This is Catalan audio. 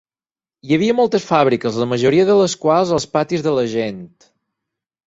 Hi havia moltes fàbriques, la majoria de les quals als patis de la gent.